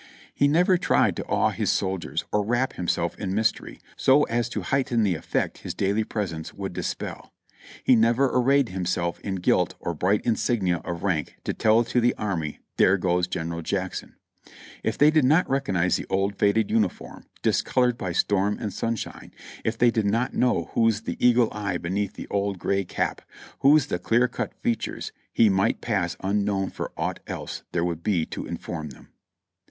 He never THE PILLAR OF THE CONFEDERACY FALLS 367 tried to awe his soldiers or wrap himself in mystery so as to heighten the effect his daily presence would dispel; he never ar rayed himself in gilt or bright insignia of rank to tell to the army "there goes General Jackson." If they did not recognize the old faded uniform discolored by storm and sunshine, if they did not know whose the eagle eye beneath the old gray cap, whose the clear cut features, he might pass unknown for aught else there would be to inform them.